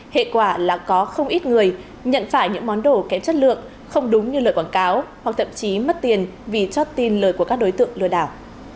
hệ quả là có không ít người nhận phải những món đồ kém chất lượng không đúng như lời quảng cáo hoặc thậm chí mất tiền vì chót tin lời của các đối tượng lừa đảo